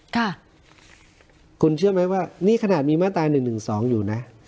ค่ะคุณเชื่อไหมว่านี่ขนาดมีมาตรา๑๑๒อยู่นะ